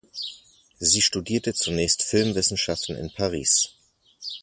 Sie studierte zunächst Filmwissenschaften in Paris.